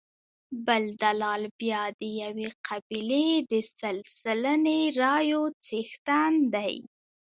بل دلال بیا د یوې قبیلې د سل سلنې رایو څښتن دی.